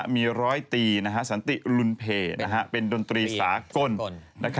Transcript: มีร้อยตีสันติลุนเพลเป็นดนตรีสากล